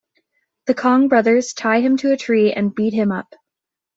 The Kong brothers tie him to a tree and beat him up.